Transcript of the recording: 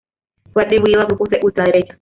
Fue atribuido a grupos de ultraderecha.